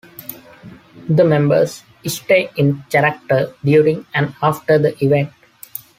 The members stay in character during and after the event.